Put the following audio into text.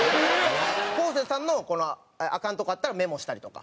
昴生さんのアカンとこあったらメモしたりとか。